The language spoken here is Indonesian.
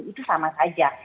itu sama saja